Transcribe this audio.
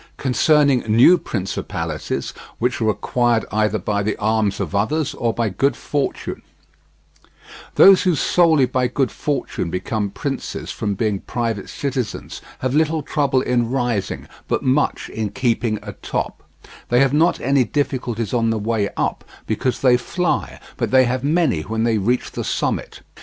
CONCERNING NEW PRINCIPALITIES WHICH ARE ACQUIRED EITHER BY THE ARMS OF OTHERS OR BY GOOD FORTUNE Those who solely by good fortune become princes from being private citizens have little trouble in rising, but much in keeping atop; they have not any difficulties on the way up, because they fly, but they have many when they reach the summit.